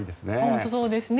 本当にそうですね。